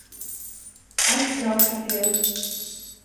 Allt klart, kapten!